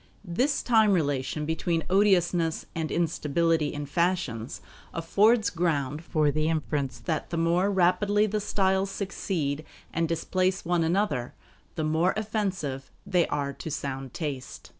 This time relation between odiousness and instability in fashions affords ground for the inference that the more rapidly the styles succeed and displace one another, the more offensive they are to sound taste.